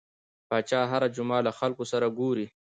پاچا هر جمعه له خلکو سره ګوري .